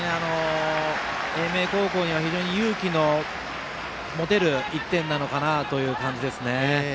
英明高校には、非常に勇気の持てる１点なのかなという感じですね。